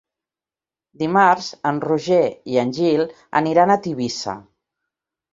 Dimarts en Roger i en Gil aniran a Tivissa.